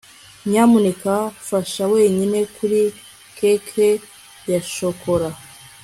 nyamuneka fasha wenyine kuri cake ya shokora